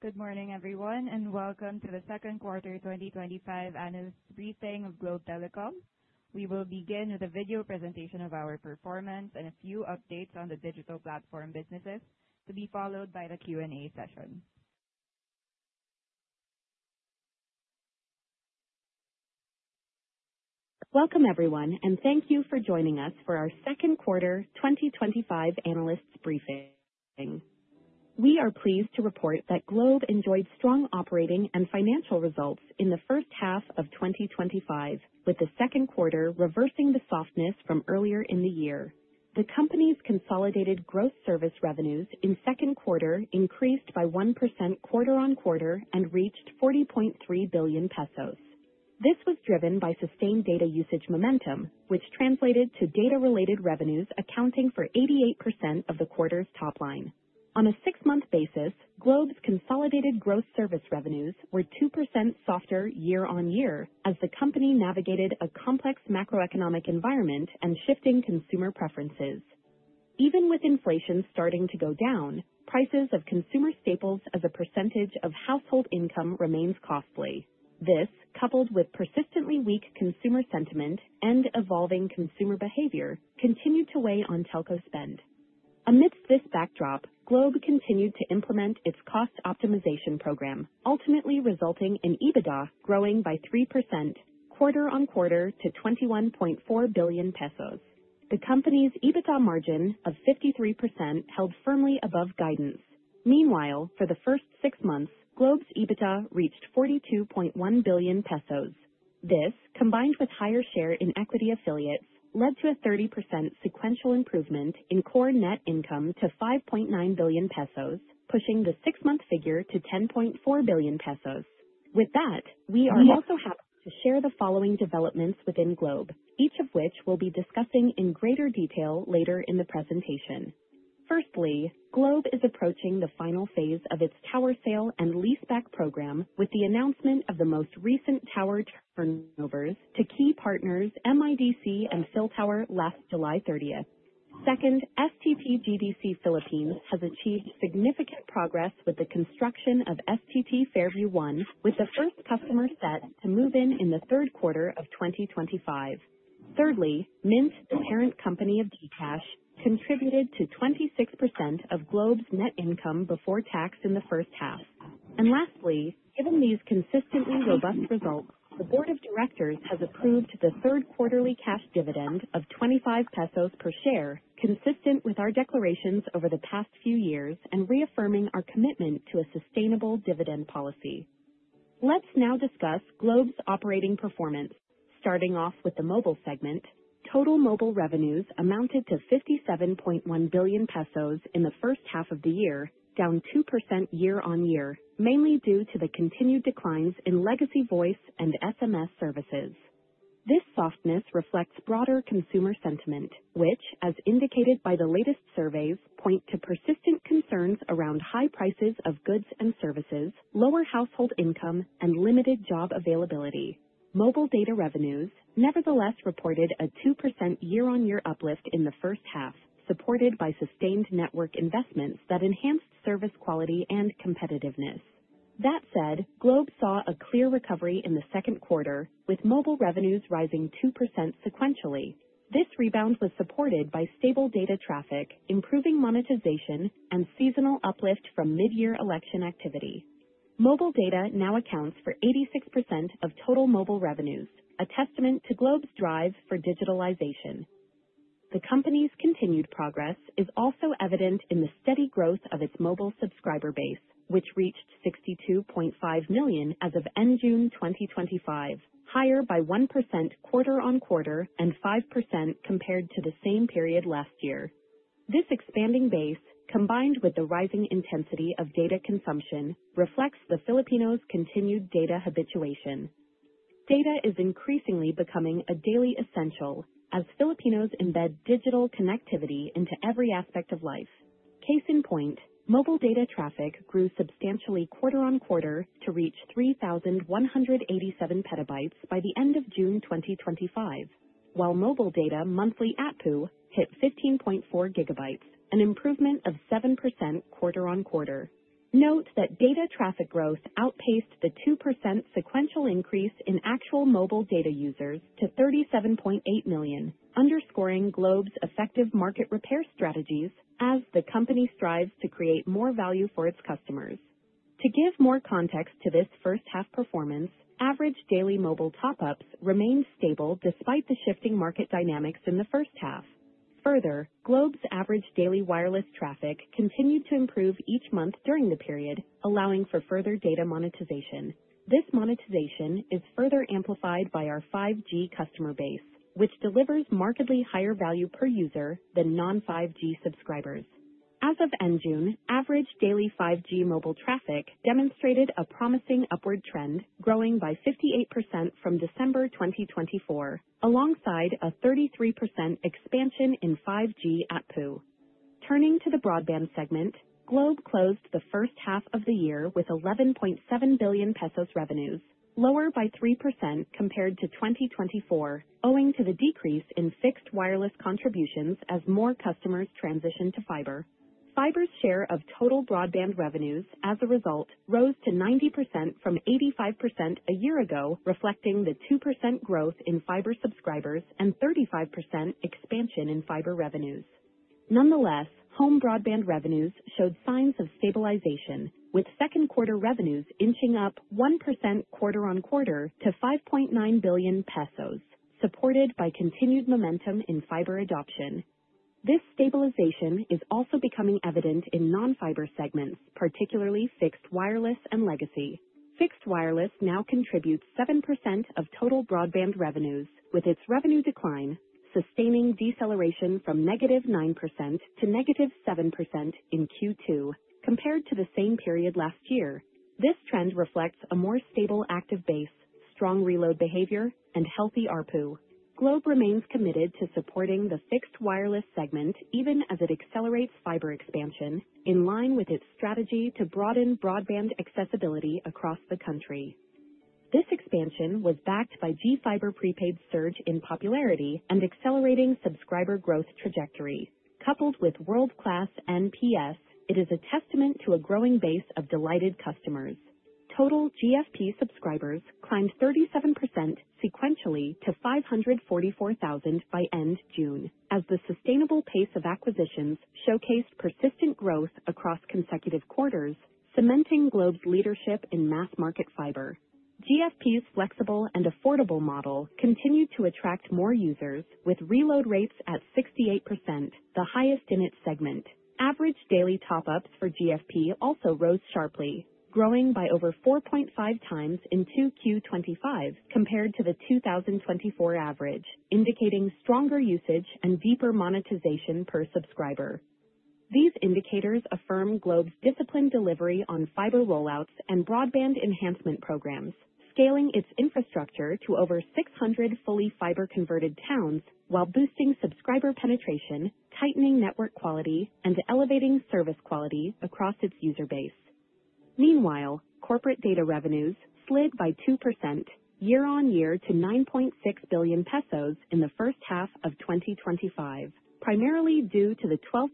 Good morning everyone, and welcome to the second quarter 2025 analyst briefing of Globe Telecom. We will begin with a video presentation of our performance and a few updates on the digital platform businesses to be followed by the Q and A session. Welcome everyone and thank you for joining us for our second quarter 2025 analysts briefing. We are pleased to report that Globe enjoyed strong operating and financial results in the first half of 2025, with the second quarter reversing the softness from earlier in the year. The company's consolidated gross service revenues in second quarter increased by 1% quarter on quarter and reached 40.3 billion pesos. This was driven by sustained data usage momentum, which translated to data related revenues accounting for 88% of the quarter's top line. On a six month basis, Globe's consolidated gross service revenues were 2% softer year-on-year as the company navigated a complex macroeconomic environment and shifting consumer preferences. Even with inflation starting to go down, prices of consumer staples as a percentage of household income remain costly. This, coupled with persistently weak consumer sentiment and evolving consumer behavior, continued to weigh on telco spend. Amidst this backdrop, Globe continued to implement its cost optimization program, ultimately resulting in EBITDA growing by 3% quarter on quarter to 21.4 billion pesos. The company's EBITDA margin of 53% held firmly above guidance. Meanwhile, for the first six months, Globe's EBITDA reached 42.1 billion pesos. This, combined with higher share in equity affiliates, led to a 30% sequential improvement in core net income to 5.9 billion pesos, pushing the six month figure to 10.4 billion pesos. With that, we are also happy to share the following developments within Globe, each of which we'll be discussing in greater detail later in the presentation. Firstly, Globe is approaching the final phase of its tower sale and leaseback program with the announcement of the most recent tower turnovers to key partners MIDC and PhilTower last July 30. Second, STT GDC Philippines has achieved significant progress with the construction of STT Fairview 1, with the first customer set to move in the third quarter of 2025. Thirdly, Mynt, the parent company of GCash, contributed to 26% of Globe's net income before tax in the first half. Lastly, given these consistently robust results, the Board of Directors has approved the third quarterly cash dividend of 25 pesos per share. Consistent with our declarations over the past few years and reaffirming our commitment to a sustainable dividend policy, let's now discuss Globe Telecom's operating performance. Starting off with the mobile segment, total mobile revenues amounted to 57.1 billion pesos in the first half of the year, down 2% year-on-year, mainly due to the continued declines in legacy voice and SMS services. This softness reflects broader consumer sentiment, which, as indicated by the latest surveys, point to persistent concerns around high prices of goods and services, lower household income, and limited job availability. Mobile data revenues nevertheless reported a 2% year-on-year uplift in the first half, supported by sustained network investments that enhanced service quality and competitiveness. That said, Globe Telecom saw a clear recovery in the second quarter with mobile revenues rising 2% sequentially. This rebound was supported by stable data traffic, improving monetization, and seasonal uplift from mid-year election activity. Mobile data now accounts for 86% of total mobile revenues, a testament to Globe Telecom's drive for digitalization. The company's continued progress is also evident in the steady growth of its mobile subscriber base, which reached 62.5 million as of end June 2025, higher by 1% quarter on quarter and 5% compared to the same period last year. This expanding base, combined with the rising intensity of data consumption, reflects the Filipinos' continued data habituation. Data is increasingly becoming a daily essential as Filipinos embed digital connectivity into every aspect of life. Case in point, mobile data traffic grew substantially quarter on quarter to reach 3,187 petabytes by the end of June 2025, while mobile data monthly ATPU hit 15.4 gigabytes, an improvement of 7% quarter on quarter. Note that data traffic growth outpaced the 2% sequential increase in actual mobile data users to 37.8 million, underscoring Globe Telecom's effective market repair strategies as the company strives to create more value for its customers. To give more context to this first half performance, average daily mobile top ups remained stable despite the shifting market dynamics in the first half. Further, Globe Telecom's average daily wireless traffic continued to improve each month during the period, allowing for further data monetization. This monetization is further amplified by our 5G customer base, which delivers markedly higher value per user than non-5G subscribers. As of end June, average daily 5G mobile traffic demonstrated a promising upward trend, growing by 58% from December 2024 alongside a 33% expansion in 5G ARPU. Turning to the broadband segment, Globe closed the first half of the year with 11.7 billion pesos, revenues lower by 3% compared to 2024 owing to the decrease in fixed wireless contributions as more customers transition to fiber. Fiber's share of total broadband revenues as a result rose to 90% from 85% a year ago, reflecting the 2% growth in fiber subscribers and 35% expansion in fiber revenues. Nonetheless, home broadband revenues showed signs of stabilization with second quarter revenues inching up 1% quarter on quarter to 5.9 billion pesos, supported by continued momentum in fiber adoption. This stabilization is also becoming evident in non-fiber segments, particularly fixed wireless and legacy. Fixed wireless now contributes 7% of total broadband revenues, with its revenue decline sustaining deceleration from -9% to -7% in Q2 compared to the same period last year. This trend reflects a more stable active base, strong reload behavior, and healthy ARPU. Globe remains committed to supporting the fixed wireless segment even as it accelerates fiber expansion in line with its strategy to broaden broadband accessibility across the country. This expansion was backed by G Fiber Prepaid's surge in popularity and accelerating subscriber growth trajectory. Coupled with world-class NPS, it is a testament to a growing base of delighted customers. Total GFP subscribers climbed 37% sequentially to 544,000 by end June as the sustainable pace of acquisitions showcased persistent growth across consecutive quarters, cementing Globe leadership in mass market fiber. G Fiber Prepaid's flexible and affordable model continued to attract more users, with reload rates at 68%, the highest in its segment. Average daily top-ups for GFP also rose sharply, growing by over 4.5x in Q2 2025 compared to the 2024 average, indicating stronger usage and deeper monetization per subscriber. These indicators affirm Globe's disciplined delivery on fiber rollouts and broadband enhancement programs, scaling its infrastructure to over 600 fully fiber-converted towns while boosting subscriber penetration, tightening network quality, and elevating service quality across its user base. Meanwhile, corporate data revenues slid by 2% year-on-year to 9.6 billion pesos in the first half of 2025, primarily due to the 12%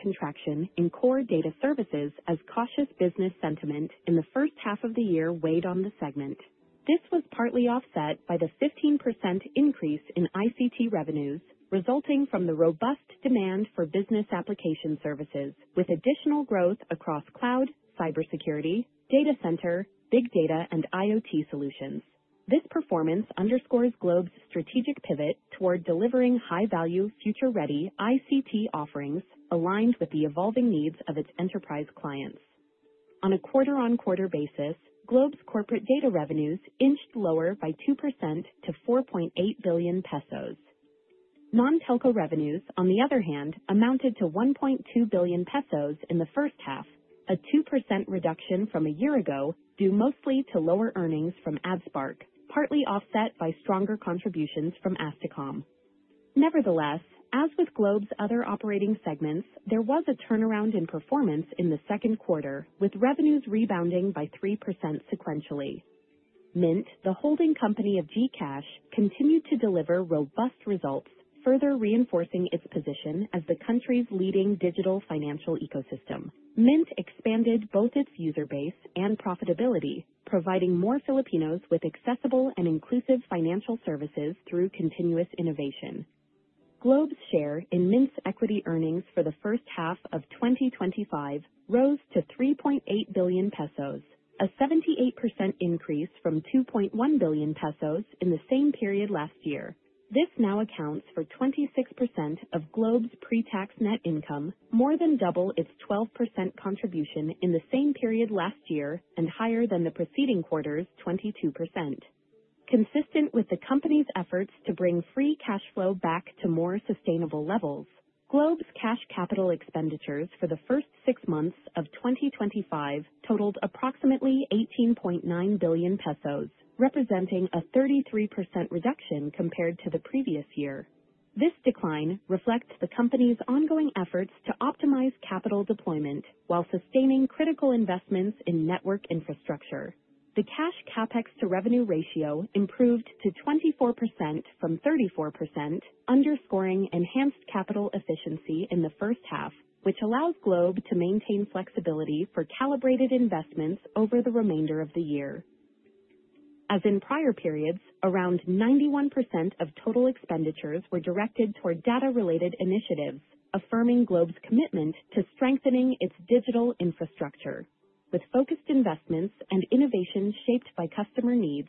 contraction in core data services. As cautious business sentiment in the first half of the year weighed on the segment, this was partly offset by the 15% increase in ICT revenues resulting from the robust demand for business application services, with additional growth across cloud, cybersecurity, data center, big data, and IoT solutions. This performance underscores Globe Telecom's strategic pivot toward delivering high value, future ready ICT offerings aligned with the evolving needs of its enterprise clients. On a quarter-on-quarter basis, Globe Telecom's corporate data revenues inched lower by 2% to 4.8 billion pesos. Non-telco revenues, on the other hand, amounted to 1.2 billion pesos in the first half, a 2% reduction from a year ago due mostly to lower earnings from AdSpark, partly offset by stronger contributions from Asticom. Nevertheless, as with Globe's other operating segments, there was a turnaround in performance in the second quarter, with revenues rebounding by 3% sequentially. Mynt, the holding company of GCash, continued to deliver robust results, further reinforcing its position as the country's leading digital financial ecosystem. Mynt expanded both its user base and profitability, providing more Filipinos with accessible and inclusive financial services through continuous innovation. Globe Telecom's share in Mynt's equity earnings for the first half of 2025 rose to 3.8 billion pesos, a 78% increase from 2.1 billion pesos in the same period last year. This now accounts for 26% of Globe Telecom's pre-tax net income, more than double its 12% contribution in the same period last year and higher than the preceding quarter's 22%. Consistent with the company's efforts to bring free cash flow back to more sustainable levels, Globe Telecom's cash capital expenditures for the first six months of 2025 totaled approximately 18.9 billion pesos, representing a 33% reduction compared to the previous year. This decline reflects the company's ongoing efforts to optimize capital deployment while sustaining critical investments in network infrastructure. The cash capex to revenue ratio improved to 24% from 34%, underscoring enhanced capital efficiency in the first half, which allows Globe Telecom to maintain flexibility for calibrated investments over the remainder of the year. As in prior periods, around 91% of total expenditures were directed toward data-related initiatives, affirming Globe Telecom's commitment to strengthening its digital infrastructure. With focused investments and innovation shaped by customer needs,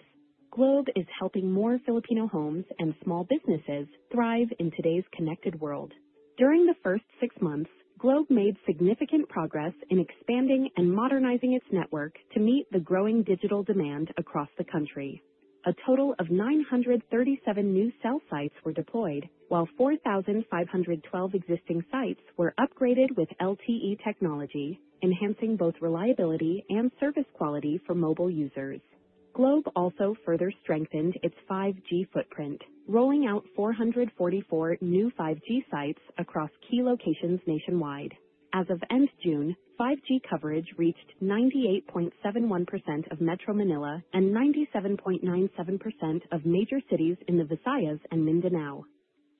Globe is helping more Filipino homes and small businesses thrive in today's connected world. During the first six months, Globe made significant progress in expanding and modernizing its network to meet the growing digital demand across the country. A total of 937 new cell sites were deployed, while 4,512 existing sites were upgraded with LTE technology, enhancing both reliability and service quality for mobile users. Globe also further strengthened its 5G footprint, rolling out 444 new 5G sites across key locations nationwide. As of June 9, 5G coverage reached 98.71% of Metro Manila and 97.97% of major cities in the Visayas and Mindanao.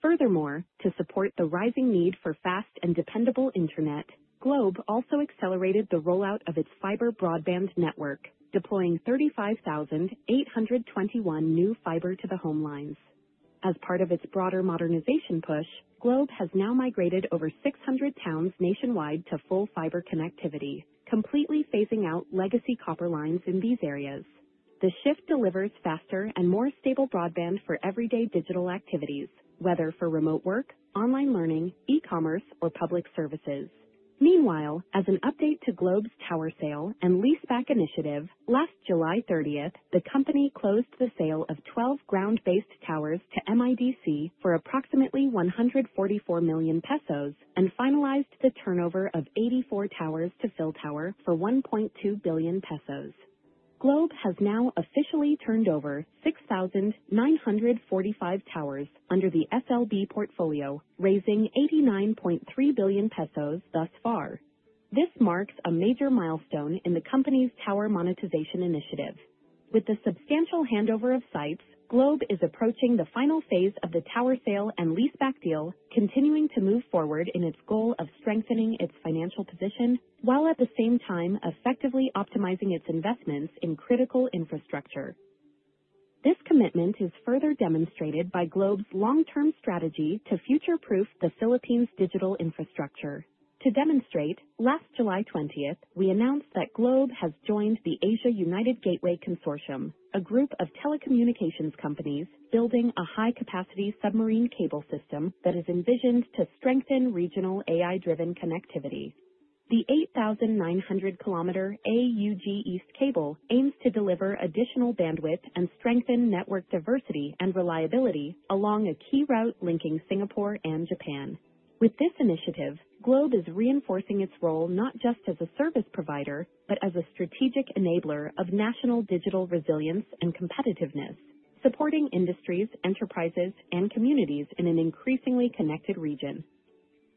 Furthermore, to support the rising need for fast and dependable Internet, Globe also accelerated the rollout of its fiber broadband network, deploying 35,821 new fiber to the home lines as part of its broader modernization push. Globe has now migrated over 600 towns nationwide to full fiber connectivity, completely phasing out legacy copper lines in these areas. The shift delivers faster and more stable broadband for everyday digital activities, whether for remote work, online learning, e-commerce, or public services. Meanwhile, as an update to Globe's tower sale and leaseback initiative, last July 30 the company closed the sale of 12 ground-based towers to MIDC for approximately 144 million pesos and finalized the turnover of 84 towers to PhilTower for 1.2 billion pesos. Globe has now officially turned over 6,945 towers under the SLB portfolio, raising 89.3 billion pesos thus far. This marks a major milestone in the company's tower monetization initiative. With the substantial handover of sites, Globe is approaching the final phase of the tower sale and leaseback deal, continuing to move forward in its goal of strengthening its financial position while at the same time effectively optimizing its investments in critical infrastructure. This commitment is further demonstrated by Globe's long-term strategy to future-proof the Philippines' digital infrastructure. To demonstrate, last July 20 we announced that Globe has joined the Asia United Gateway Consortium, a group of telecommunications companies building a high-capacity submarine cable system that is envisioned to strengthen regional AI-driven connectivity. The 8,900 kilometer Aug East cable aims to deliver additional bandwidth and strengthen network diversity and reliability along a key route linking Singapore and Japan. With this initiative, Globe is reinforcing its role not just as a service provider, but as a strategic enabler of national digital resilience and competitiveness, supporting industries, enterprises, and communities in an increasingly connected region.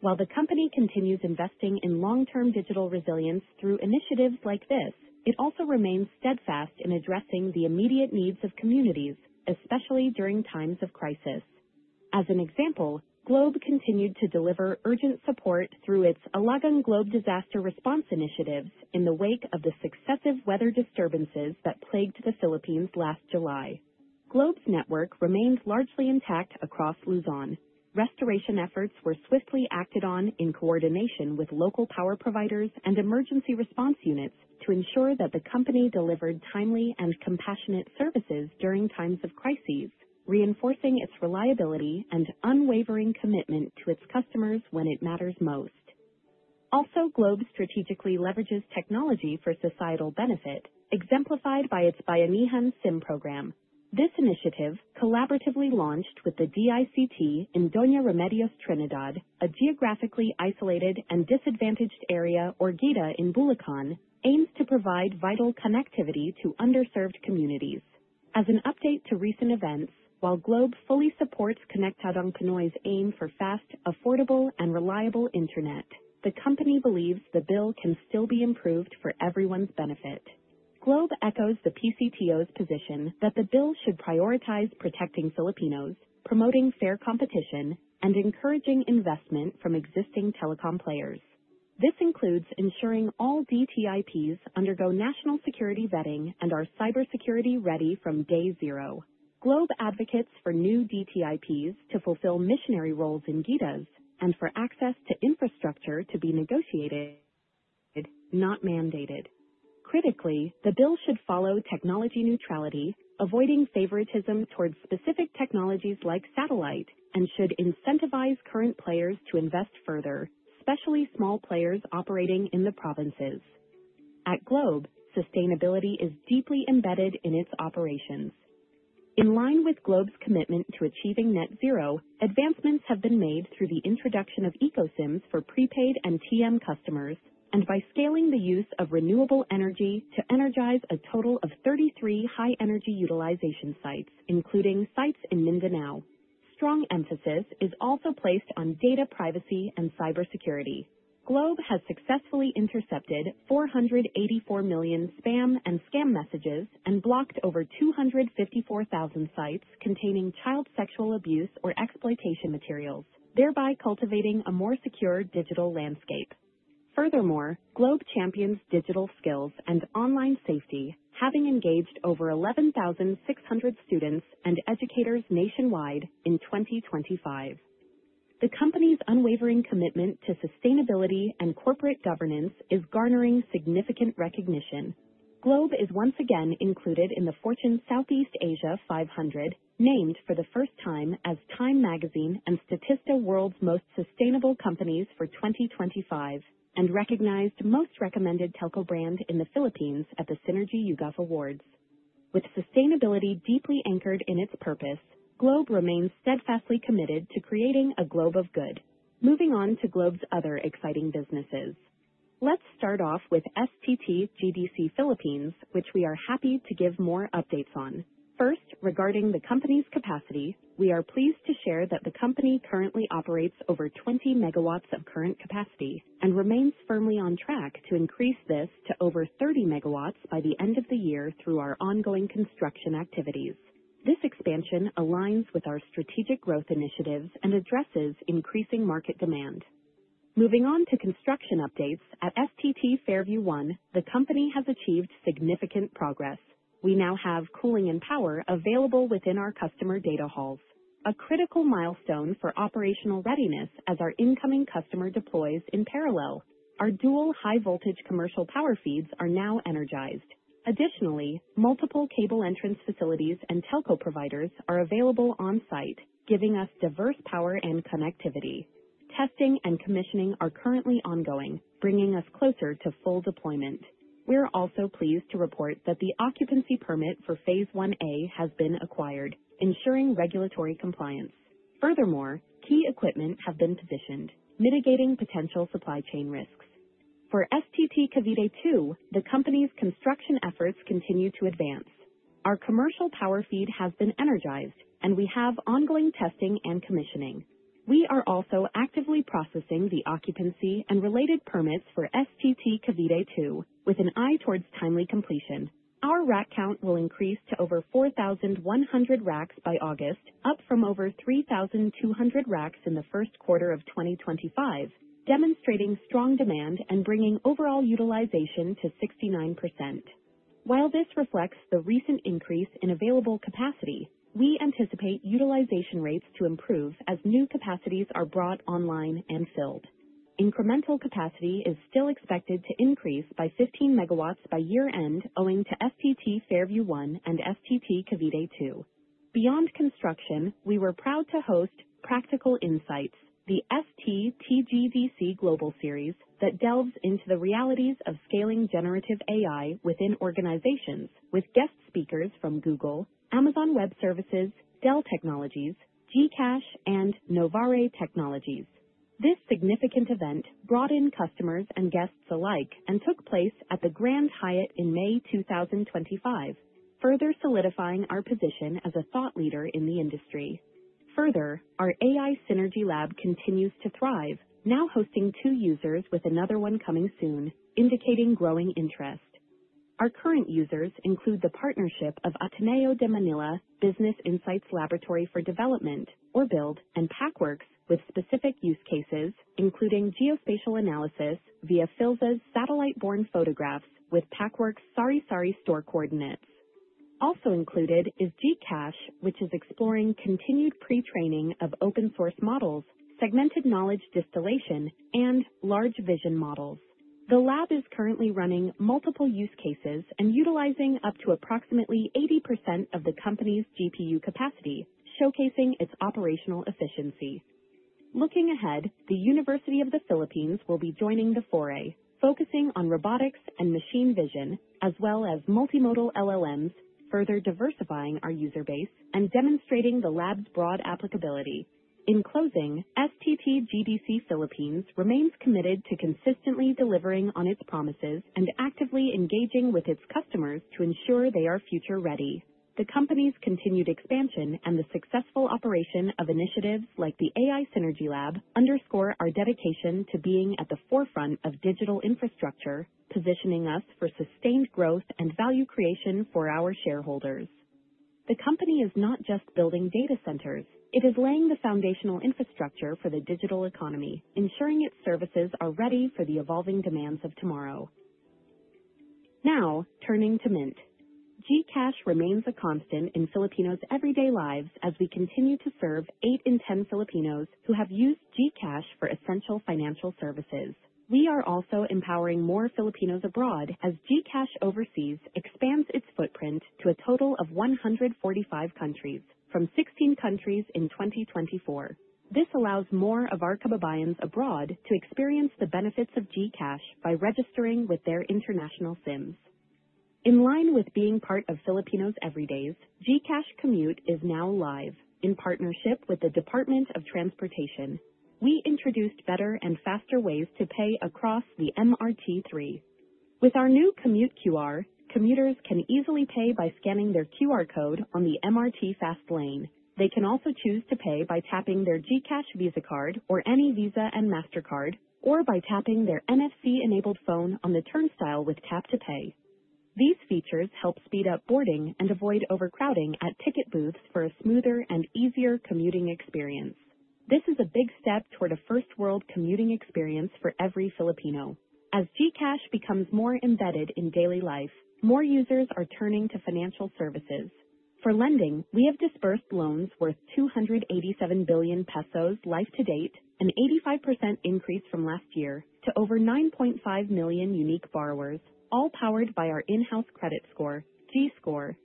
While the company continues investing in long-term digital resilience through initiatives like this, it also remains steadfast in addressing the immediate needs of communities, especially during times of crisis. As an example, Globe continued to deliver urgent support through its Alagang Globe disaster response initiatives. In the wake of the successive weather disturbances that plagued the Philippines last July, Globe's network remained largely intact across Luzon. Restoration efforts were swiftly acted on in coordination with local power providers and emergency response units to ensure that the company delivered timely and compassionate services during times of crises, reinforcing its reliability and unwavering commitment to its customers when it matters most. Also, Globe strategically leverages technology for societal benefit, exemplified by its Bayanihan SIM program. This initiative, collaboratively launched with the DICT in Dona Remedios Trinidad, a geographically isolated and disadvantaged area or GIDA in Bulacan, aims to provide vital connectivity to underserved communities. As an update to recent events, while Globe fully supports Konektadong Pinoy's aim for fast, affordable, and reliable Internet, the company believes the bill can still be improved for everyone's benefit. Globe echoes the PCTA's position that the bill should prioritize protecting Filipinos, promoting fair competition, and encouraging investment from existing telecom players. This includes ensuring all DTIPs undergo national security vetting and are cybersecurity ready from day zero. Globe advocates for new DTIPs to fulfill missionary roles in GIDAs and for access to infrastructure to be negotiated, not mandated. Critically, the bill should follow technology neutrality, avoiding favoritism towards specific technologies like satellite, and should incentivize current players to invest further, especially small players operating in the provinces. At Globe, sustainability is deeply embedded in its operations. In line with Globe's commitment to achieving net zero, advancements have been made through the introduction of EcoSIMS for prepaid and TM customers and by scaling the use of renewable energy to energize a total of 33 high energy utilization sites, including sites in Mindanao. Strong emphasis is also placed on data privacy and cybersecurity. Globe has successfully intercepted 484 million spam and scam messages and blocked over 254,000 sites containing child sexual abuse or exploitation materials, thereby cultivating a more secure digital landscape. Furthermore, Globe champions digital skills and online safety. Having engaged over 11,600 students and educators nationwide in 2025, the company's unwavering commitment to sustainability and corporate governance is garnering significant recognition. Globe is once again included in the Fortune Southeast Asia 500, named for the first time as Time Magazine’s World’s Most Sustainable Companies for 2025 and recognized most recommended telco brand in the Philippines at the Synergy YouGov Awards. With sustainability deeply anchored in its purpose, Globe remains steadfastly committed to creating a Globe of good. Moving on to Globe's other exciting businesses, let's start off with STT GDC Philippines, which we are happy to give more updates on. First, regarding the company's capacity, we are pleased to share that the company currently operates over 20 MW of current capacity and remains firmly on track to increase this to over 30 MW by the end of the year. Through our ongoing construction activities, this expansion aligns with our strategic growth initiatives and addresses increasing market demand. Moving on to construction updates at STT Fairview 1, the company has achieved significant progress. We now have cooling and power available within our customer data halls, a critical milestone for operational readiness as our incoming customer deploys. In parallel, our dual high voltage commercial power feeds are now energized. Additionally, multiple cable entrance facilities and telco providers are available on site, giving us diverse power and connectivity. Testing and commissioning are currently ongoing, bringing us closer to full deployment. We are also pleased to report that the occupancy permit for Phase 1A has been acquired, ensuring regulatory compliance. Furthermore, key equipment have been positioned, mitigating potential supply chain risks for STT Cavite 2. The company's construction efforts continue to advance, our commercial power feed has been energized, and we have ongoing testing and commissioning. We are also actively processing the occupancy and related permits for STT Fairview 1 with an eye towards timely completion. Our rack count will increase to over 4,100 racks by August, up from over 3,200 racks in the first quarter of 2025, demonstrating strong demand and bringing overall utilization to 69%. While this reflects the recent increase in available capacity, we anticipate utilization rates to improve as new capacities are brought online and filled. Incremental capacity is still expected to increase by 15 MW by year end owing to STT Fairview 1 and STT Fairview 2. Beyond construction, we were proud to host Practical Insights, the STT GDC Global series that delves into the realities of scaling generative AI within organizations with guest speakers from Google, Amazon Web Services, Dell Technologies, GCash, and Novare Technologies. This significant event brought in customers and guests alike and took place at the Grand Hyatt in May 2025, further solidifying our position as a thought leader in the industry. Further, our AI Synergy Lab continues to thrive, now hosting two users with another one coming soon, indicating growing interest. Our current users include the partnership of Ateneo de Manila Business Insights Laboratory for Development or BILD and PAC with specific use cases including geospatial analysis via PhilTower's satellite-borne photographs with PackWorks Sari Sari store coordinates. Also included is GCash, which is exploring continued pre-training of open source models, segmented knowledge distillation, and large vision models. The Lab is currently running multiple use cases and utilizing up to approximately 80% of the company's GPU capacity, showcasing its operational efficiency. Looking ahead, the University of the Philippines will be joining the foray, focusing on robotics and machine vision as well as multimodal LLMs, further diversifying our user base and demonstrating the Lab's broad applicability. In closing, STT GDC Philippines remains committed to consistently delivering on its promises and actively engaging with its customers to ensure they are future ready. The company's continued expansion and the successful operation of initiatives like the AI Synergy Lab underscore our dedication to being at the forefront of digital infrastructure, positioning us for sustained growth and value creation for our shareholders. The company is not just building data centers, it is laying the foundational infrastructure for the digital economy, ensuring its services are ready for the evolving demands of tomorrow. Now turning to Mynt, GCash remains a constant in Filipinos' everyday lives as we continue to serve 8 in 10 Filipinos who have used GCash for essential financial services. We are also empowering more Filipinos abroad as GCash Overseas expands its footprint to a total of 145 countries from 16 countries in 2024. This allows more of our kababayans abroad to experience the benefits of GCash by registering with their international SIMs. In line with being part of Filipinos' everydays, GCash Commute is now live in partnership with the Department of Transportation. We introduced better and faster ways to pay across the MRT3 with our new Commute QR. Commuters can easily pay by scanning their QR code on the MRT fast lane. They can also choose to pay by tapping their GCash Visa card or any Visa and mastercard, or by tapping their NFC-enabled phone on the turnstile with tap to pay. These features help speed up boarding and avoid overcrowding at ticket booths for a smoother and easier commuting experience. This is a big step toward a first world commuting experience for every Filipino. As GCash becomes more embedded in daily life, more users are turning to financial services for lending. We have disbursed loans worth 287 billion pesos life to date, an 85% increase from last year to over 9.5 million unique borrowers, all powered by our in-house credit score, GScore.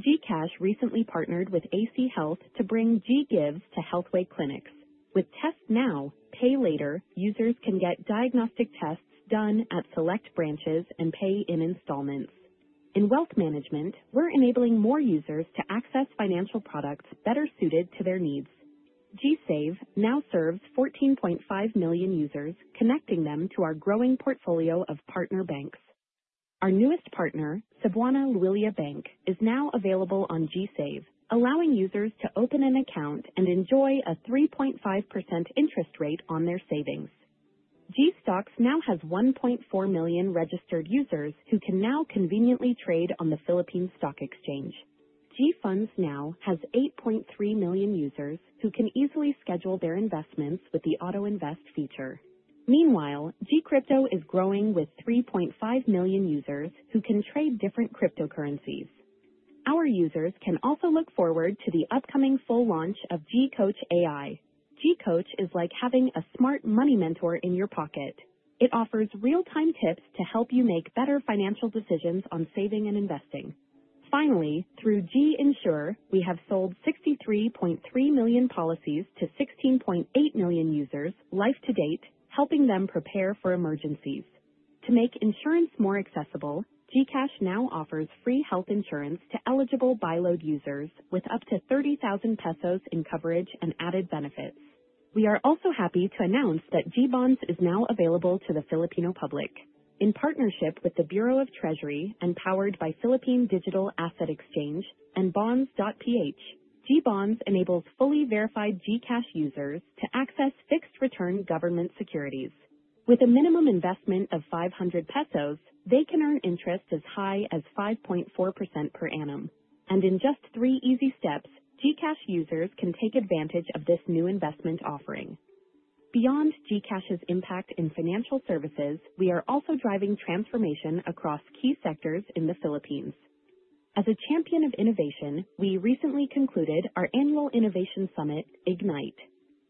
GCash recently partnered with AC Health to bring GGives to Healthway clinics with TestNow Pay Later. Users can get diagnostic tests done at select branches and pay in installments. In wealth management, we're enabling more users to access financial products better suited to their needs. GSave now serves 14.5 million users, connecting them to our growing portfolio of partner banks. Our newest partner, Cebuana Lhuillier Bank, is now available on GSave, allowing users to open an account and enjoy a 3.5% interest rate on their savings. GStocks now has 1.4 million registered users who can now conveniently trade on the Philippine Stock Exchange. GFunds now has 8.3 million users who can easily schedule their investments with the Auto Invest feature. Meanwhile, GCrypto is growing with 3.5 million users who can trade different cryptocurrencies. Our users can also look forward to the upcoming full launch of GCoach AI. GCoach is like having a smart money mentor in your pocket. It offers real-time tips to help you make better financial decisions on saving and investing. Finally, through GInsure, we have sold 63.3 million policies to 16.8 million users life to date, helping them prepare for emergencies. To make insurance more accessible, GCash now offers free health insurance to eligible buy load users with up to 30,000 pesos in coverage and added benefits. We are also happy to announce that GBonds is now available to the Filipino public in partnership with the Bureau of the Treasury and powered by Philippine Digital Asset Exchange and Bonds. The GBonds enables fully verified GCash users to access fixed return government securities. With a minimum investment of 500 pesos, they can earn interest as high as 5.4% per annum and in just three easy steps, GCash users can take advantage of this new investment offering. Beyond GCash's impact in financial services, we are also driving transformation across key sectors in the Philippines. As a champion of innovation, we recently concluded our annual Innovation Summit Ignite.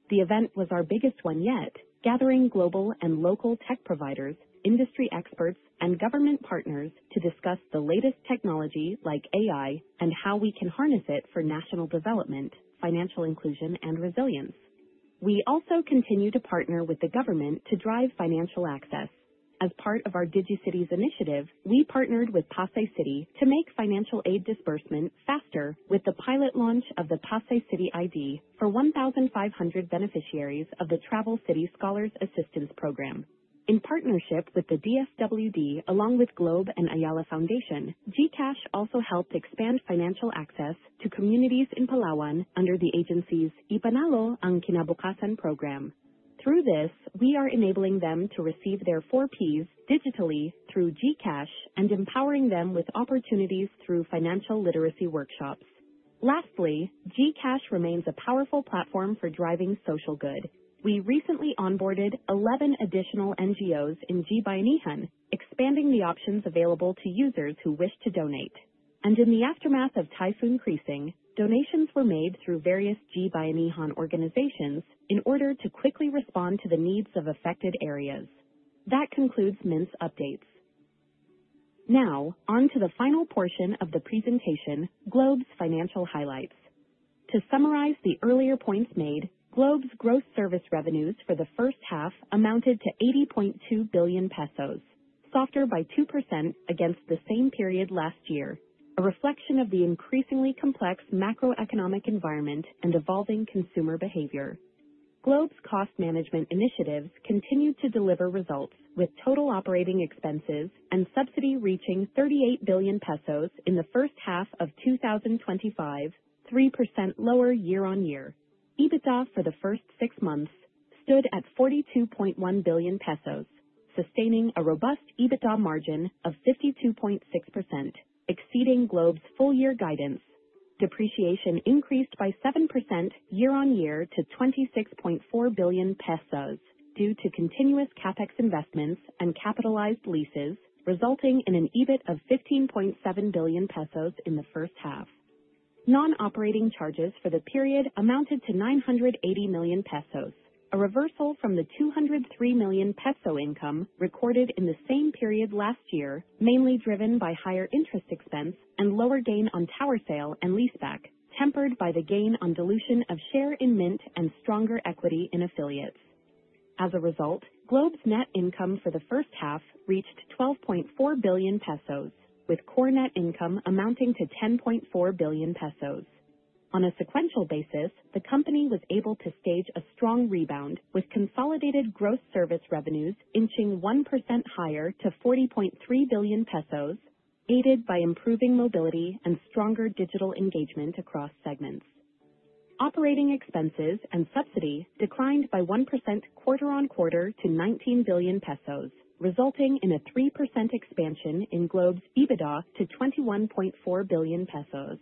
The event was our biggest one yet, gathering global and local tech providers, industry experts, and government partners to discuss the latest technology like AI and how we can harness it for national development, financial inclusion, and resilience. We also continue to partner with the government to drive financial access. As part of our Digicity's initiative, we partnered with Pasay City to make financial aid disbursement faster with the pilot launch of the PAS City ID for 1,500 beneficiaries of the Travel City Scholars Assistance Program in partnership with the DSWD. Along with Globe and Ayala Foundation, GCash also helped expand financial access to communities in Palawan under the agency's Ipanalo Ang Kinabukasan program. Through this, we are enabling them to receive their 4Ps digitally through GCash and empowering them with opportunities through financial literacy workshops. Lastly, GCash remains a powerful platform for driving social good. We recently onboarded 11 additional NGOs in GBayanihan, expanding the options available to users who wish to donate. In the aftermath of Typhoon Creasing, donations were made through various Gawad Kalinga organizations in order to quickly respond to the needs of affected areas. That concludes Mynt's updates. Now on to the final portion of the presentation. Globe's financial highlights to summarize the earlier points made. Globe's gross service revenues for the first half amounted to 80.2 billion pesos, softer by 2% against the same period last year, a reflection of the increasingly complex macroeconomic environment and evolving consumer behavior. Globe's cost management initiatives continued to deliver results with total operating expenses and subsidy reaching 38 billion pesos in the first half of 2025, 3% lower year-on-year. EBITDA for the first six months stood at 42.1 billion pesos, sustaining a robust EBITDA margin of 52.6%, exceeding Globe's full year guidance. Depreciation increased by 7% year-on-year to 26.4 billion pesos due to continuous capex investments and capitalized leases, resulting in an EBIT of 15.7 billion pesos in the first half. Non-operating charges for the period amounted to 980 million pesos, a reversal from the 203 million peso income recorded in the same period last year, mainly driven by higher interest expense and lower gain on tower sale and leaseback, tempered by the gain on dilution of share in Mynt and stronger equity in affiliates. As a result, Globe's net income for the first half reached 12.4 billion pesos with core net income amounting to 10.4 billion pesos. On a sequential basis, the company was able to stage a strong rebound with consolidated gross service revenues inching 1% higher to 40.3 billion pesos, aided by improving mobility and stronger digital engagement across segments. Operating expenses and subsidy declined by 1% quarter on quarter to 19 billion pesos, resulting in a 3% expansion in Globe's EBITDA to 21.4 billion pesos.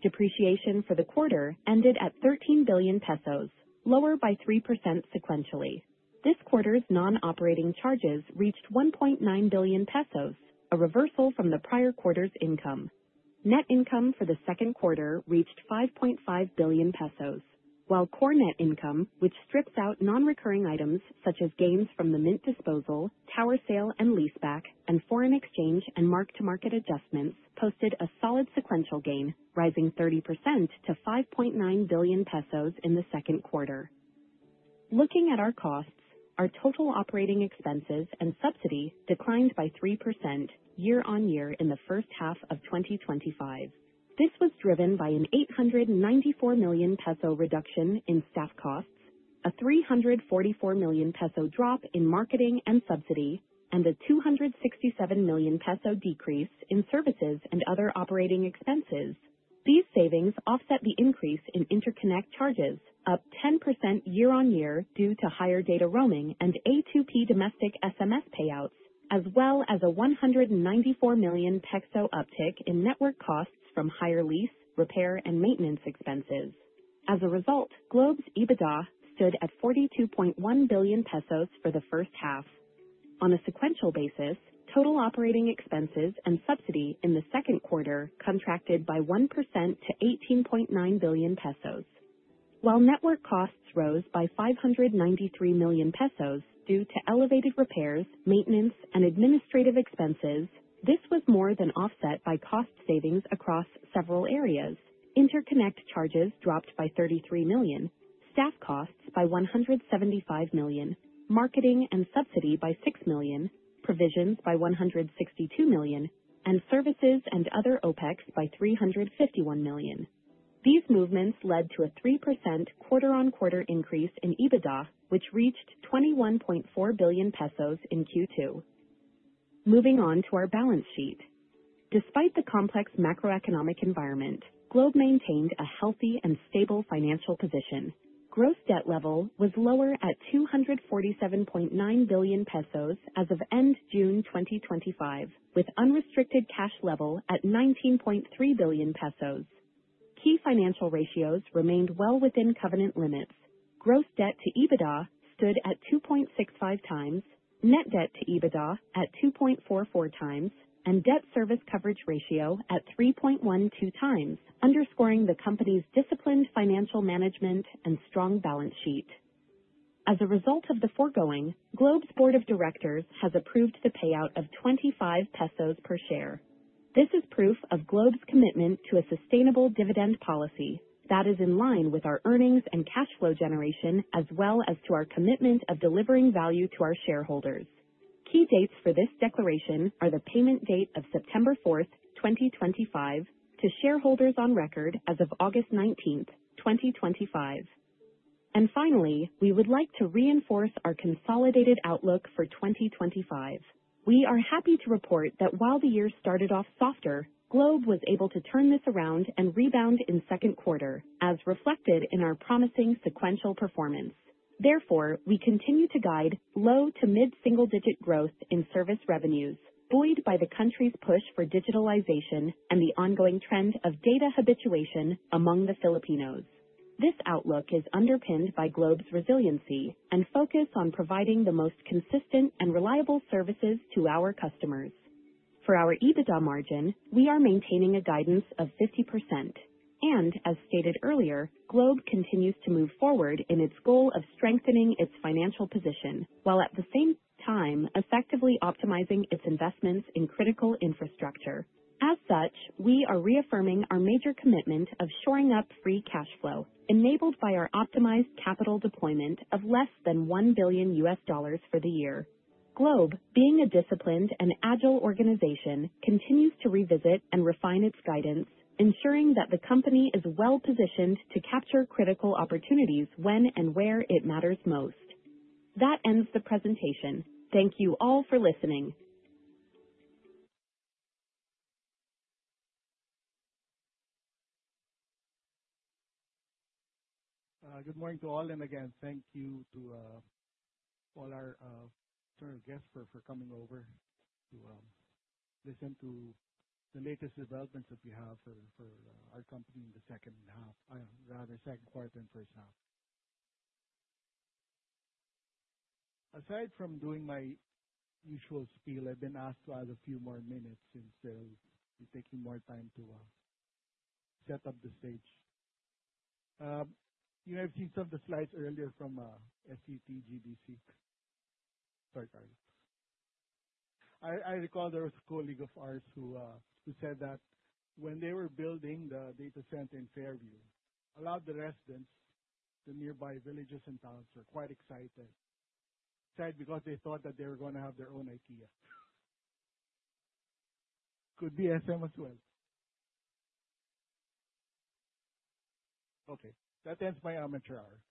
Depreciation for the quarter ended at 13 billion pesos, lower by 3%. Sequentially, this quarter's non-operating charges reached 1.9 billion pesos, a reversal from the prior quarter's income. Net income for the second quarter reached 5.5 billion pesos while core net income, which strips out non-recurring items such as gains from the Mynt disposal, tower sale and leaseback, and foreign exchange and mark to market adjustments, posted a solid sequential gain rising 30% to 5.9 billion pesos in the second quarter. Looking at our costs, our total operating expenses and subsidy declined by 3% year-on-year in the first half of 2025. This was driven by an 894 million peso reduction in staff costs, a 344 million peso drop in marketing and subsidy, and a 267 million peso decrease in services and other operating expenses. These savings offset the increase in interconnect charges, up 10% year-on-year due to higher data roaming and A2P domestic SMS, as well as a 194 million uptick in network costs from higher lease, repair, and maintenance expenses. As a result, Globe Telecom's EBITDA stood at 42.1 billion pesos for the first half on a sequential basis. Total operating expenses and subsidy in the second quarter contracted by 1% to 18.9 billion pesos, while network costs rose by 593 million pesos due to elevated repairs, maintenance, and administrative expenses. This was more than offset by cost savings across several areas. Interconnect charges dropped by 33 million, staff costs by 175 million, marketing and subsidy by 6 million, provisions by 162 million, and services and other OpEx by 351 million. These movements led to a 3% quarter on quarter increase in EBITDA, which reached 21.4 billion pesos in Q2. Moving on to our balance sheet, despite the complex macroeconomic environment, Globe Telecom maintained a healthy and stable financial position. Gross debt level was lower at 247.9 billion pesos as of end June 2025, with unrestricted cash level at 19.3 billion pesos. Key financial ratios remained well within covenant limits. Gross debt to EBITDA stood at 2.65x, net debt to EBITDA at 2.44x, and debt service coverage ratio at 3.12x, underscoring the company's disciplined financial management and strong balance sheet. As a result of the foregoing, Globe Telecom's Board of Directors has approved the payout of 25 pesos per share. This is proof of Globe Telecom's commitment to a sustainable dividend policy that is in line with our earnings and cash flow generation, as well as to our commitment of delivering value to our shareholders. Key dates for this declaration are the payment date of September 4, 2025, to shareholders on record as of August 19, 2025. Finally, we would like to reinforce our consolidated outlook for 2025. We are happy to report that while the year started off softer, Globe Telecom was able to turn this around and rebound in the second quarter as reflected in our promising sequential performance. Therefore, we continue to guide low to mid single digit growth in service revenues, buoyed by the country's push for digitalization and the ongoing trend of data habituation among the Filipinos. This outlook is underpinned by Globe's resiliency and focus on providing the most consistent and reliable services to our customers. For our EBITDA margin, we are maintaining a guidance of 50%. As stated earlier, Globe continues to move forward in its goal of strengthening its financial position while at the same time effectively optimizing its investments in critical infrastructure. As such, we are reaffirming our major commitment of shoring up free cash flow enabled by our optimized capital deployment of less than $1 billion for the year. Globe, being a disciplined and agile organization, continues to revisit and refine its guidance, ensuring that the company is well positioned to capture critical opportunities when and where it matters most. That ends the presentation. Thank you all for listening. Good morning to all and again, thank you to all our guests for coming over to listen to the latest developments that we have for our company in the second quarter and first half. Aside from doing my usual spiel, I've been asked to add a few more minutes since it's taking more time to set up the stage. You have seen some of the slides earlier from STT GDC Philippines. Sorry, I recall there was a colleague of ours who said that when they were building the data center in Fairview, a lot of the residents in nearby villages and towns were quite excited. Excited because they thought that they were going to have their own IKEA. Could be SM as well. Okay, that ends my amateur hour.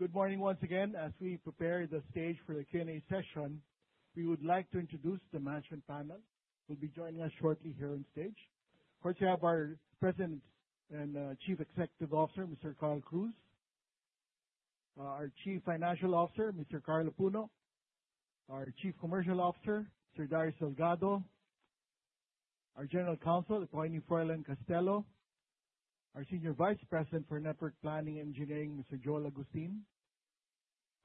Good morning once again. As we prepare the stage for the Q and A session, we would like to introduce the management panel who will be joining us shortly. Here on stage, of course you have our President and Chief Executive Officer, Mr. Carl Cruz, our Chief Financial Officer, Mr. Carlo Puno, our Chief Commercial Officer, Sir Darius Delgado, our General Counsel, Vicente Froilan Castello, our Senior Vice President for Network Planning Engineering, Mr. Joel Agustin,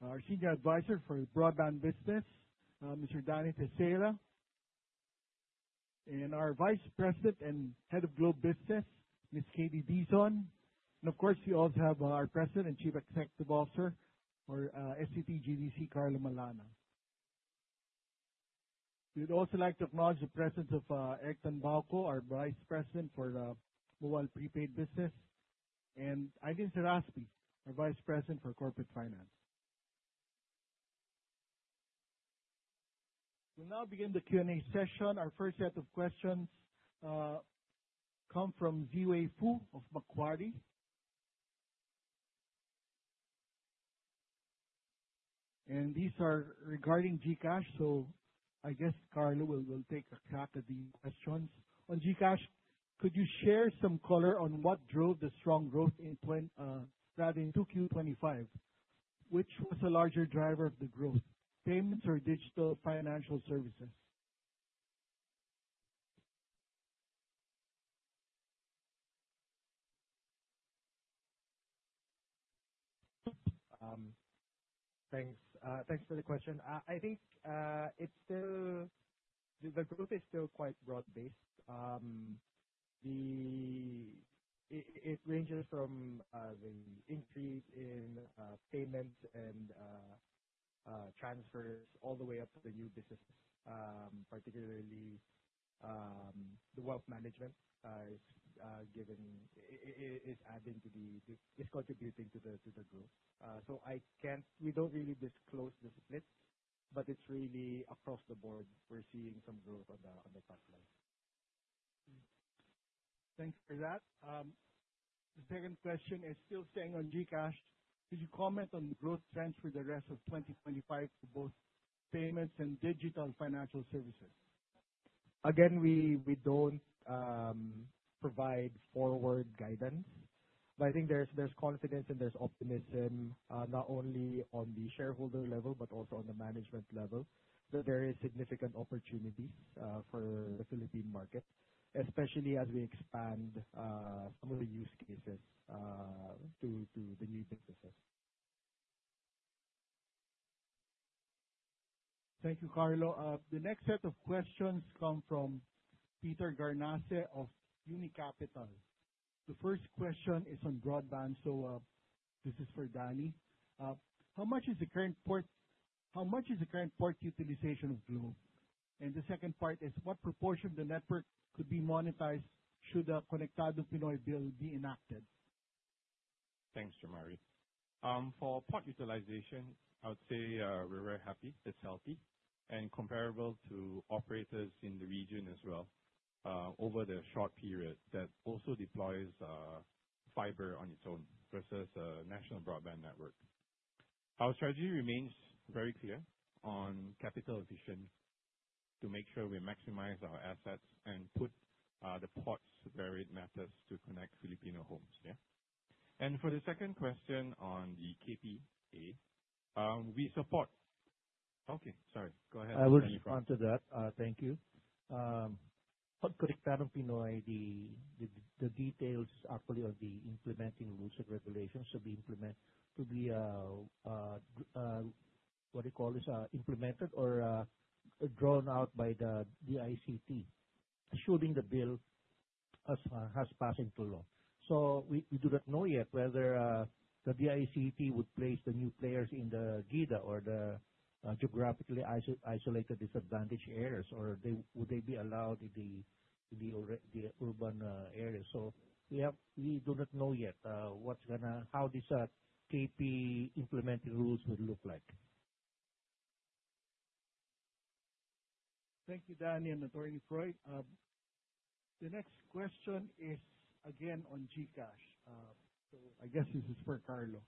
our Senior Advisor for Broadband Business, Mr. Danny Theseira, and our Vice President and Head of Globe Business, Ms. KD Dizon. Of course, you also have our President and Chief Executive Officer of STT GDC Philippines, Mr. Carlo Malana. We'd also like to acknowledge the presence of Ektan Balco, our Vice President for Mobile Prepaid Business, and Agin Saraski, our Vice President for Corporate Finance. We'll now begin the Q and A session. Our first set of questions come from Wayne Fu of Macquarie and these are regarding GCash. I guess Carlo will take a tap at the questions on GCash. Could you share some color on what drove the strong growth in 2Q2025, which was a larger driver of the growth, payments or digital financial services? Thanks. Thanks for the question. I think it's still quite broad based. It ranges from the increase in payments and transfers all the way up to the new business, particularly the wealth management, is contributing to the growth. We don't really disclose this list but it's really across the board. We're seeing some growth on the top line. Thanks for that. The second question is still staying on GCash. Could you comment on growth trends for the rest of 2025 to both payments and digital financial services? Again, we don't provide forward guidance but I think there's confidence and there's optimism not only on the shareholder level but also on the management level that there is significant opportunities for the Philippine market especially as we expand some of the use cases to the new successes. Thank you, Carlo. The next set of questions come from Peter Garnace of Uni Capital. The first question is on broadband. This is for Danny. How much is the current port? How much is the current port utilization of Globe? The second part is what proportion of the network could be monetized should the Konektadong Pinoy bill be enacted. Thanks, Jamari. For port utilization I would say we're very happy it's healthy and comparable to operators in the region as well over the short period that also deploys fiber on its own versus a national broadband network. Our strategy remains very clear on capital efficiency to make sure we maximize our assets and put the ports varied methods to connect Filipino homes. For the second question on the KPA we support. Okay, sorry, go ahead. I will respond to that. Thank you. The details actually on the implementing rules and regulations to be implemented or drawn out by the DICT shooting the bill as has passing too long. We do not know yet whether the DICT would place the new players in the GIDA or the geographically isolated disadvantaged areas or would they be allowed in the urban areas. We do not know yet how this KP implemented rules would look like. Thank you, Danny. Froilan, the next question is again on GCash so I guess this is for Carlo.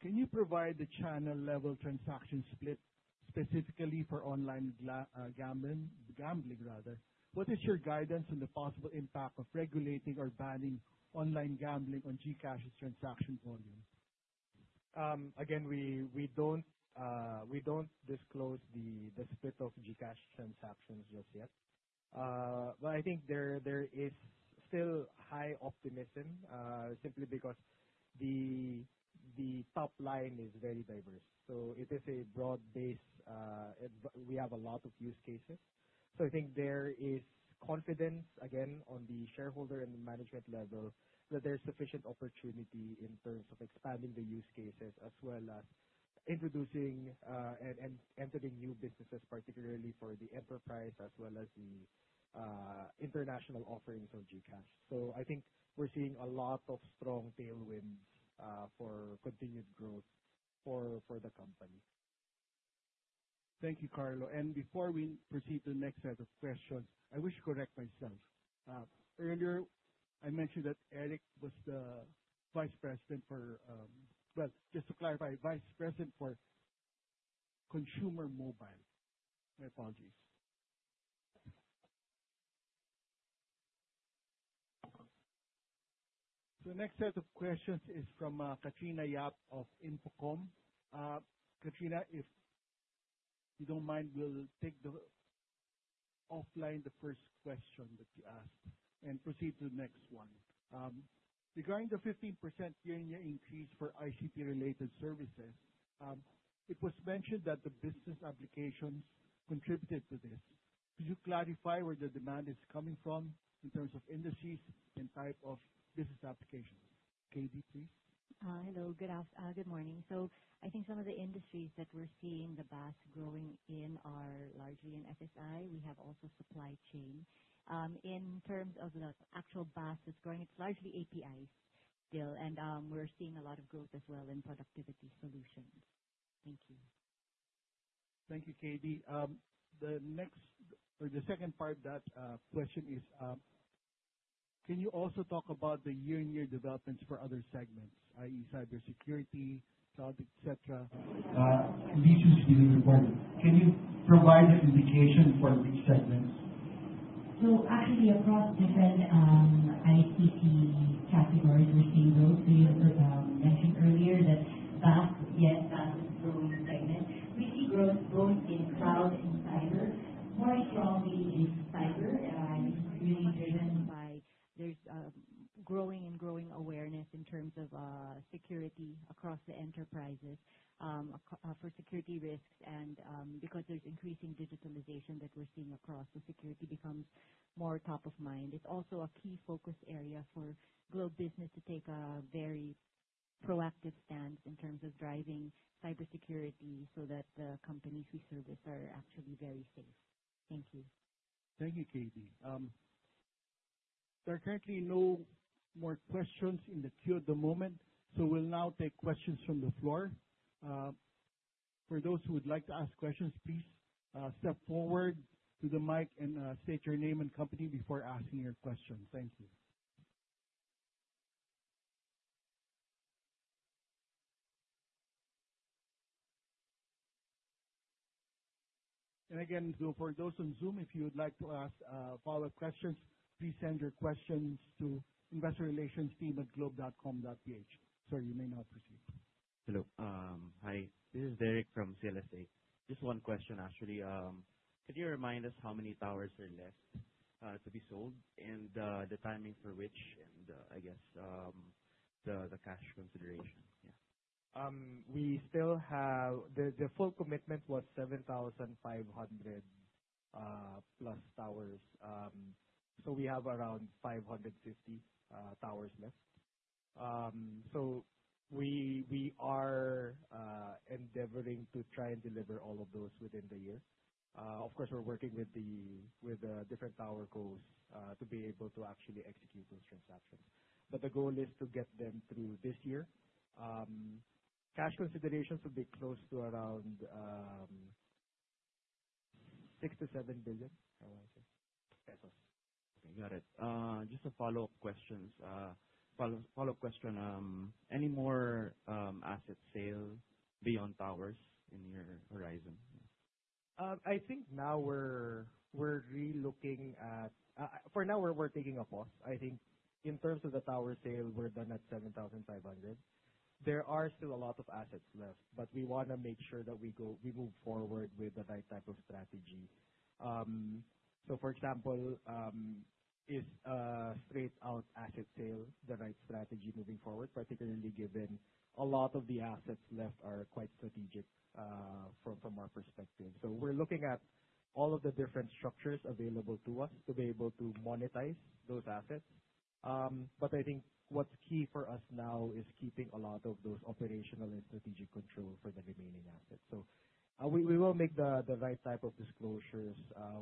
Can you provide the channel level transaction split specifically for online gambling? Rather, what is your guidance on the possible impact of regulating or banning online gambling on GCash's transaction on. Again we don't disclose the split of GCash transactions just yet but I think there is still high optimism simply because the top line is very diverse. It is a broad base. We have a lot of use cases. I think there is confidence again on the shareholder and management level that there's sufficient opportunity in terms of expanding the use cases as well, introducing and entering new businesses, particularly for the enterprise as well as the international offerings on GCash. I think we're seeing a lot of strong tailwind for continued growth for the company. Thank you, Carlo. Before we proceed to the next set of questions, I wish to correct myself. Earlier I mentioned that Ektan was the Vice President for, just to clarify, Vice President for Consumer Mobile. I apologize. The next set of questions is from Katrina Yap of Infocom. Katrina, if you don't mind, we'll take offline the first question that you asked and proceed to the next one. Regarding the 15% year-on-year increase for ICT-related services, it was mentioned that the business application contributed to this. Could you clarify where the demand is coming from in terms of indices and type of business application? KD, please. Hello, good morning. I think some of the industries that we're seeing the BAS growing in are largely in SSI. We have also supply chain. In terms of the actual BAS is growing, it's largely APIs still, and we're seeing a lot of growth as well in productivity solutions. Thank you. Thank you, KD. The next or the second part of that question is can you also talk about the year-on-year developments for other segments, i.e., cybersecurity, cloud, et cetera, V2 scheme requirements. Can you provide an indication for these segments? Actually, across different ISP categories we're seeing those mentioned earlier, the wealth, cloud, and cyber, more strongly cyber, really driven by there's growing and growing awareness in terms of security across the enterprises for security risks, and because there's increasing digitalization that we're seeing across, the security becomes more top of mind. It's also a key focus area for Globe business to take a very proactive stance in terms of driving cybersecurity so that the companies we service are actually very safe. Thank you. Thank you, KD. There are currently no more questions in the queue at the moment, so we'll now take questions from the floor. For those who would like to ask questions, please step forward to the mic and state your name and company before asking your question. Thank you. For those on Zoom, if you would like to ask follow up questions, please send your questions to investorrelationsteamglobe.com.ph. Sorry, you may now proceed. Hello, hi, this is Derek from CLSA. Just one question actually. Could you remind us how many towers are left to be sold and the timing for which and I guess the cash consideration? Yeah. We still have the full commitment was 7,500+ towers, so we have around 550 towers left. We are endeavoring to try and deliver all of those within the year. Of course, we're working with different tower cos to be able to actually execute those transactions, but the goal is to get them through this year. Cash considerations will be close to around 6 to 7 billion. Okay, got it. Just a follow up question. Any more asset sale beyond towers in your horizon? I think now we're relooking at. For now we're taking a pause. I think in terms of the tower sale, we're done at 7,500. There are still a lot of assets left, but we want to make sure that we move forward with the right type of strategy. For example, is straight out asset sale the right strategy moving forward? Particularly given a lot of the assets left are quite strategic from our perspective. We're looking at all of the different structures available to us to be able to monetize those assets. I think what's key for us now is keeping a lot of those operational and strategic control for the remaining assets. We will make the right type of disclosures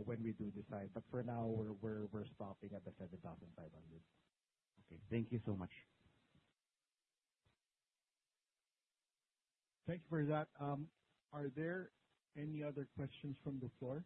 when we do decide. Now we're stopping at the 7,500 on this. Thank you so much. Thank you for that. Are there any other questions from the floor?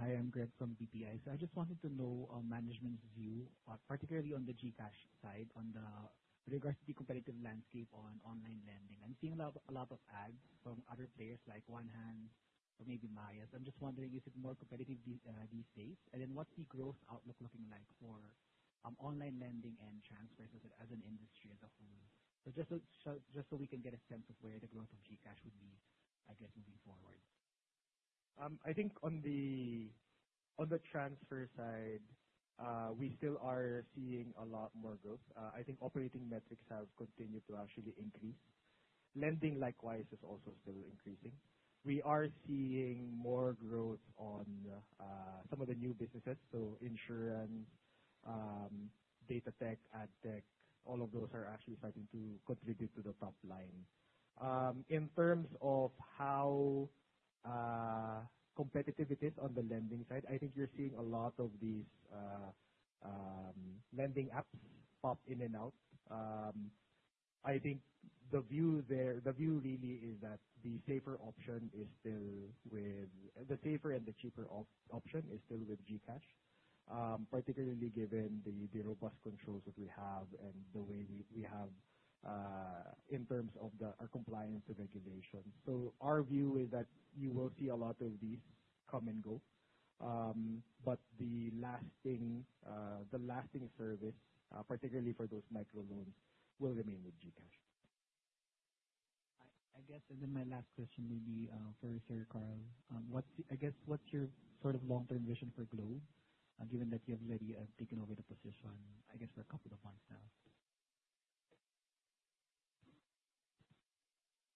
Hi, I'm Greg from BPI. I just wanted to know management's view, particularly on the GCash side, with regards to the competitive landscape on online lending. I'm seeing a lot of ads from other players like OneHand or maybe Maya. I'm just wondering, is it more competitive these days? What's the growth outlook looking like for online lending and transfers as an industry as a whole, just so we can get a sense of where the growth of GCash would be, I guess moving forward. I think on the transfer side we still are seeing a lot more growth. I think operating metrics have continued to actually increase. Lending likewise is also still increasing. We are seeing more growth on some of the new businesses. Insurance, data, tech, ad tech, all of those are actually starting to contribute to the top line in terms of how competitive it is on the lending side. I think you're seeing a lot of these lending apps pop in and out. The view really is that the safer option is still with the safer and the cheaper option is still with GCash, particularly given the robust controls that we have and the way we have in terms of our compliance regulations. Our view is that you will see a lot of these come and go, but the lasting service, particularly for those micro loans, will remain with GCash, I guess. My last question, maybe for Sir Carl, I guess, what's your sort of long term vision for Globe given that you have already taken over the position, I guess for a couple of months now.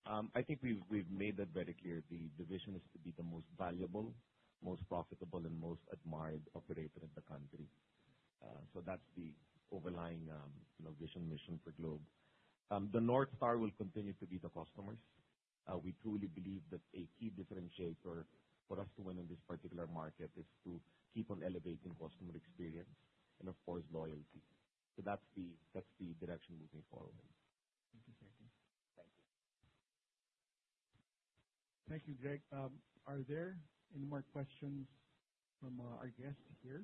I think we've made that very clear. The vision is to be the most valuable, most profitable and most admired operator in the country. That's the overlying vision mission for Globe. The North Star will continue to be the customers. We truly believe that a key differentiator for us to win in this particular market is to keep on elevating customer experience and of course loyalty. That's the direction we may follow in. Thank you Sergey. Thank you. Thank you, Greg. Are there any more questions from our guest here?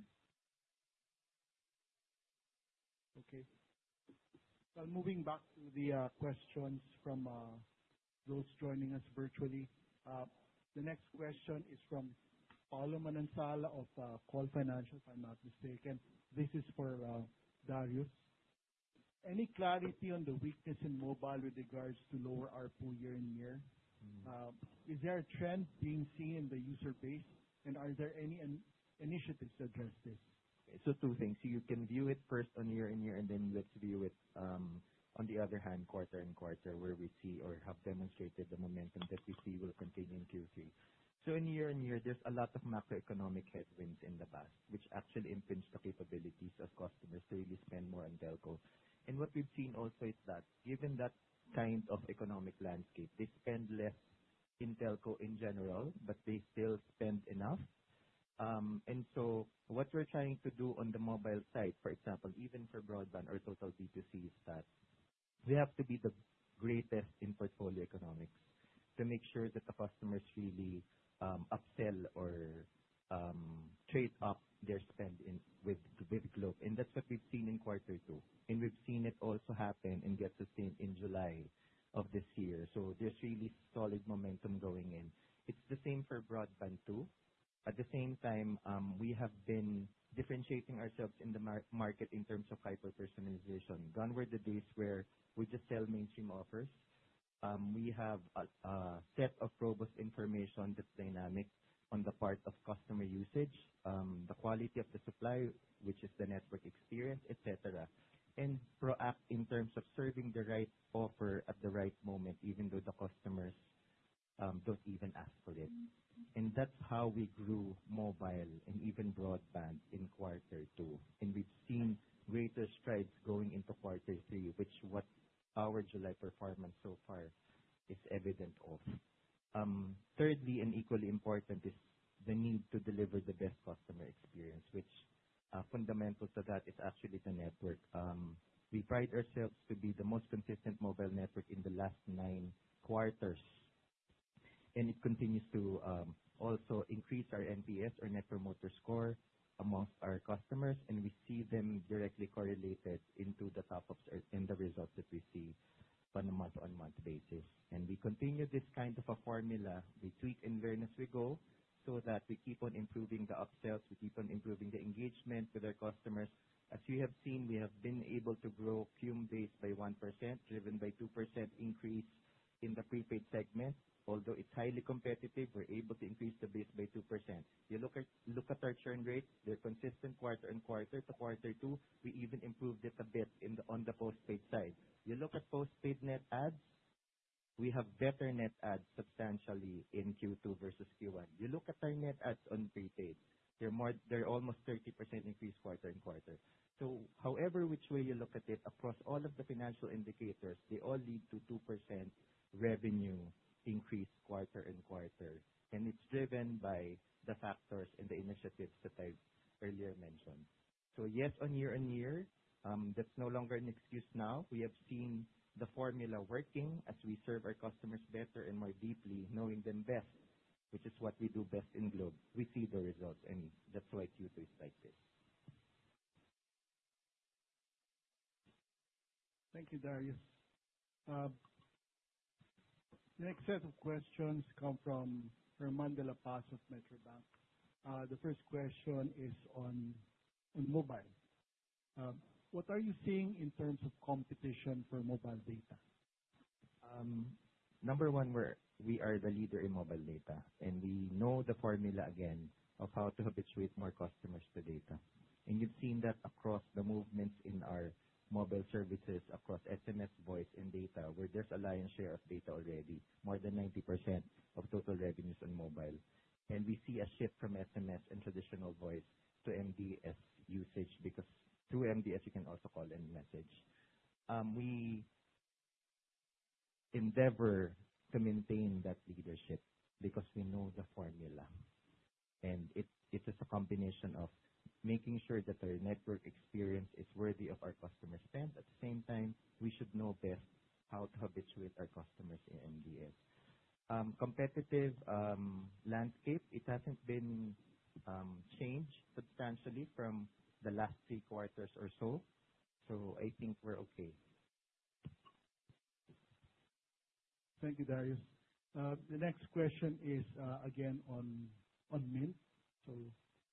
Okay, moving back to the questions from those joining us virtually, the next question is from Paulo Manansal of Call Financial. If I'm not mistaken, this is for Darius. Any clarity on the weakness in mobile with regards to lower ARPU year-on-year, is there a trend being seen in the user base and are there any initiatives to address this? Two things, you can view it first on year-on-year and then let's view it on the other hand, quarter on quarter where we see or have demonstrated the momentum that we see will continue increasing. In year-on-year, there's a lot of macroeconomic headwinds in the past which actually infringed the capabilities of customers to really spend more on telco. What we've seen also is that given that kind of economic landscape, they spend less in telco in general, but they still spend enough. What we're trying to do on the mobile side, for example, even for broadband or total B2C, is that we have to be the greatest in portfolio economics to make sure that the customers really upsell or trade up their spend with Globe. That's what we've seen in quarter two and we've seen it also happen and get sustained in July of this year. There's really solid momentum going in. It's the same for broadband too. At the same time, we have been differentiating ourselves in the market in terms of hyper personalization. Gone were the days where we just sell mainstream offers. We have a set of robust information that's dynamic on the part of customer usage, better net adds substantially in Q2 versus Q1. You look at our net adds on prepaid, they're almost 30% increase quarter on quarter. However, which way you look at it across all of the financial indicators, they all lead to 2% revenue increase quarter on quarter and it's driven by the factors and the initiatives that I've earlier mentioned. Yes, on year-on-year, that's no longer an excuse. Now we have seen the formula working as we serve our customers better and more deeply knowing them best, which is what we do best in Globe, we see the results and that's why Q2 is cited. Thank you Darius. Next set of questions come from Mandela Paz of Metro Bank. The first question is on mobile, what are you seeing in terms of competition for mobile data? Number one, we are the leader in mobile data and we know the formula again of how to habituate more customers to data. You've seen that across the movements in our mobile services, across SMS, voice, and data, where there's a lion's share of data, already more than 90% of total revenues on mobile. We see a shift from SMS and traditional voice to MDS usage because through MDS you can also call and message. We endeavor to maintain that leadership because we know the formula and it is a combination of making sure that their network experience is worthy of our customer spend. At the same time, we should know best how to habituate our customers in MDS competitive landscape. It hasn't been changed substantially from the last three quarters or so. I think we're okay. Thank you, Darius. The next question is again on Mynt. I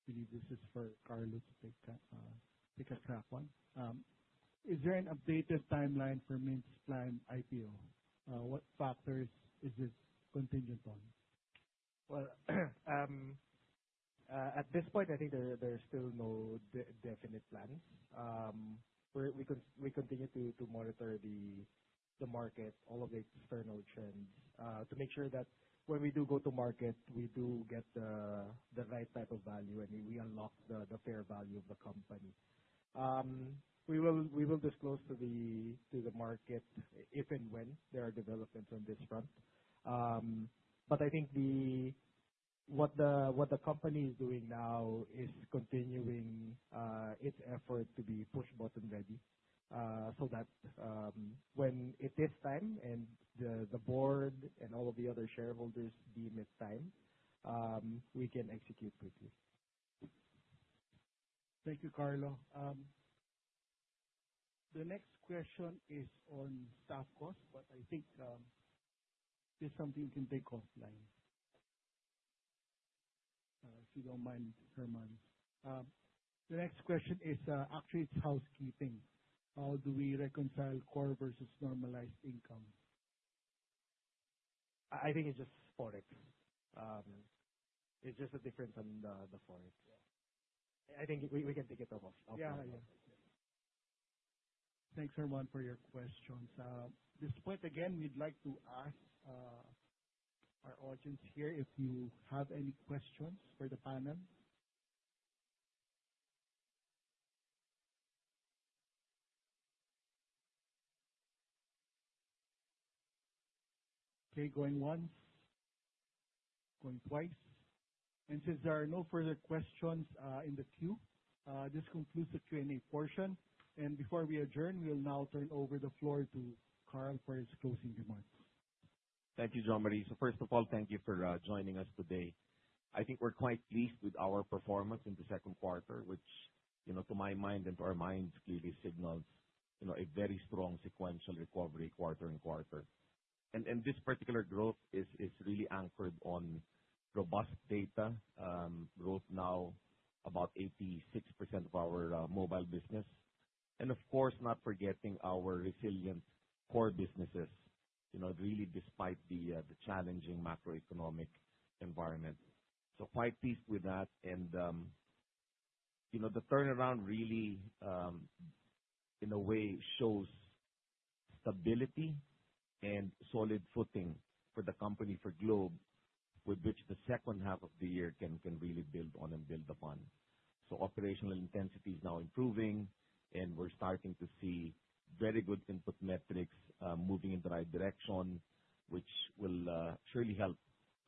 believe this is for Carlo to pick up on. Is there an updated timeline for Mynt's plan IPO? What factors is this contingent on? At this point, I think there's still no definite plan. We continue to monitor the market, all of the external trends to make sure that when we do go to market, we do get the right type of value and we unlock the fair value of the company. We will disclose to the market if and when there are developments on this front. I think what the company is doing now is continuing its effort to be push button ready. That's when it is time, and the board and all of the other shareholders deem it's time, we can execute quickly. Thank you, Carlo. The next question is on Sophos, but I think this one thing you can take off, if you don't mind, Herman. The next question is actually housekeeping. How do we reconcile core versus normalized incomes? I think it's just forex. It's just a difference on the forex. I think we can take it off. Yeah. Thanks everyone for your questions. At this point again, we'd like to ask our audience here if you have any questions for the panel. Okay, going one, going twice. Since there are no further questions in the queue, this concludes the Q&A portion. Before we adjourn, we will now turn over the floor to Carl for his closing remarks. Thank you, Jose Mari. First of all, thank you for joining us today. I think we're quite pleased with our performance in the second quarter, which to my mind and to our minds clearly signal a very strong sequential recovery quarter on quarter. This particular growth is really anchored on robust data growth, now about 86% of our mobile business, and of course not forgetting our resilient core businesses, really despite the challenging macroeconomic environment. Quite pleased with that. The turnaround really in a way shows stability and solid footing for the company, for Globe, with which the second half of the year can really build on and build upon. Operational intensity is now improving and we're starting to see very good input metrics moving in the right direction, which will surely help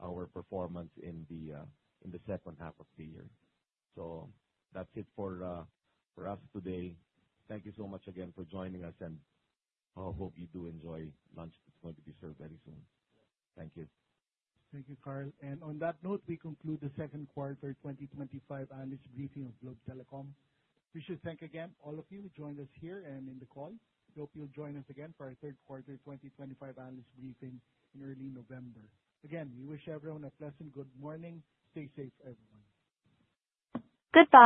our performance in the second half of the year. That's it for us today. Thank you so much again for joining us and I hope you do enjoy lunch that's going to be served very soon. Thank you. Thank you, Carl. On that note, we conclude the second quarter 2025 analyst briefing of Globe Telecom. We should thank again all of you who joined us here and in the call. Hope you'll join us again for our third quarter 2025 analyst briefing in early November. Again, we wish everyone a pleasant good morning. Stay safe, everyone. Good bye.